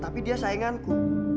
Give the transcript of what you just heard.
tapi dia sainganku